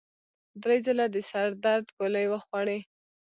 درې ځله د سر د درد ګولۍ وخوړې.